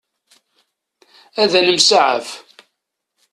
Ad nemsaɛaf.